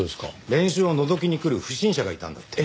練習をのぞきに来る不審者がいたんだって。